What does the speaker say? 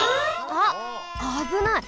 あっあぶない！